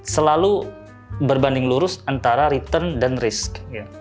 selalu berbanding lurus antara return dan rizky